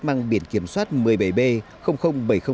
mang biển kiểm soát một mươi bảy b